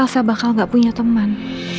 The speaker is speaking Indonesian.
saya bakal gak punya teman